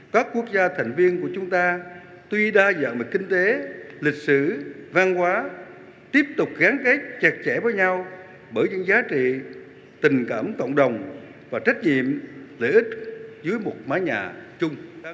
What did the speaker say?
các quốc gia thành viên của chúng ta tuy đa dạng về kinh tế lịch sử văn hóa tiếp tục gắn kết chặt chẽ với nhau bởi những giá trị tình cảm cộng đồng và trách nhiệm lợi ích dưới một mái nhà chung